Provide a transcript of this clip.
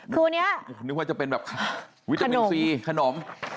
คืออันนี้นึกว่าจะเป็นแบบวิตามินซีขนม